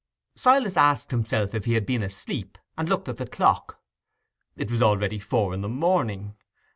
Silas asked himself if he had been asleep, and looked at the clock: it was already four in the morning.